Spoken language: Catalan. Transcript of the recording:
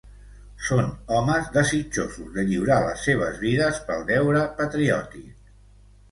Són homes desitjosos de lliurar les seves vides pel deure patriòtic.